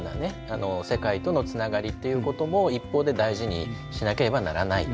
世界とのつながりっていうことも一方で大事にしなければならない。